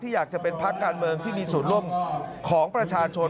อยากจะเป็นพักการเมืองที่มีส่วนร่วมของประชาชน